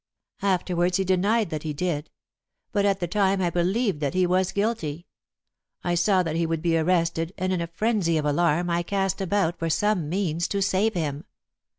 Afterwards he denied that he did. But at the time I believed that he was guilty. I saw that he would be arrested, and in a frenzy of alarm I cast about for some means to save him.